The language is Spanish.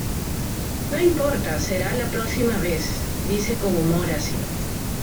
No importa, será la próxima vez"" dice con humor ácido.